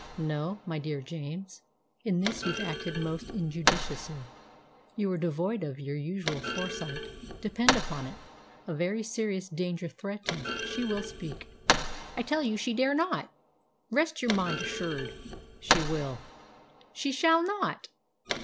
No, my dear James, in this you've acted most injudiciously. You were devoid of your usual foresight. Depend upon it, a very serious danger threatens. She will speak." "I tell you she dare not. Rest your mind assured." "She will." "_She shall not!